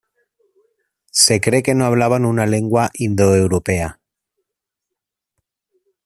Se cree que no hablaban una lengua indoeuropea.